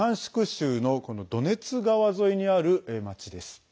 州のドネツ川沿いにある町です。